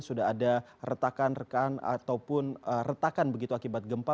sudah ada retakan rekan ataupun retakan begitu akibat gempa